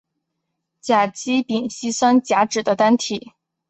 甲基丙烯酸甲酯的单体。